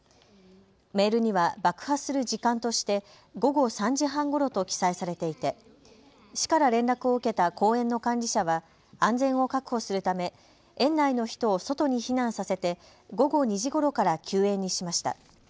メールには爆破する時間として午後３時半ごろと記載されていて市から連絡を受けた公園の管理者は安全を確保するため園内の人を外に避難させて午後２時ごろから休園にしました。